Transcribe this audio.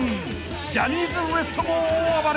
ジャニーズＷＥＳＴも大暴れ］